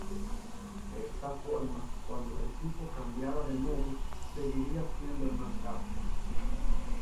De esta forma cuando el equipo cambiara de modo, seguiría siendo el más rápido.